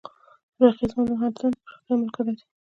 رقیب زما د مهارتونو د پراختیا ملګری دی